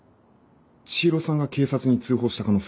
千尋さんが警察に通報した可能性は？